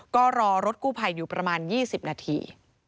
ก็รอรถกู้ภัยอยู่ประมาณ๒๐นาที